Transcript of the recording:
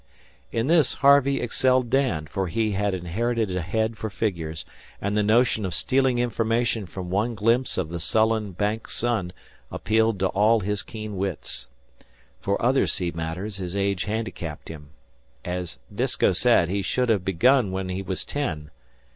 In this Harvey excelled Dan, for he had inherited a head for figures, and the notion of stealing information from one glimpse of the sullen Bank sun appealed to all his keen wits. For other sea matters his age handicapped him. As Disko said, he should have begun when he was ten.